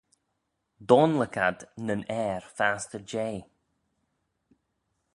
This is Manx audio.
doanluck ad nyn ayr fastyr jea